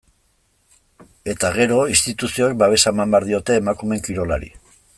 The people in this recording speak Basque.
Eta, gero, instituzioek babesa eman behar diote emakumeen kirolari.